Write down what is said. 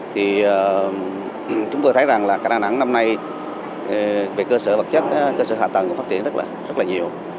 thì chúng tôi thấy rằng là cảng đà nẵng năm nay về cơ sở vật chất cơ sở hạ tầng cũng phát triển rất là nhiều